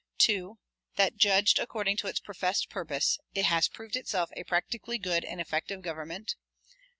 [211:1] 2. That, judged according to its professed purpose, it has proved itself a practically good and effective government.